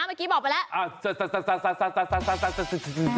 เมื่อกี้บอกไปแล้ว